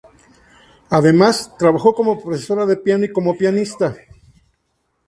Además, trabajó como profesora de piano y como pianista.